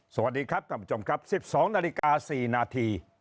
สวัสดีครับท่านผู้ชมครับ๑๒นาฬิกา๔นาที